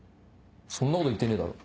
そんなこと言ってねえだろ。